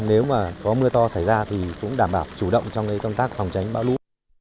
nếu mà có mưa to xảy ra thì cũng đảm bảo chủ động trong công tác phòng tránh bão lũ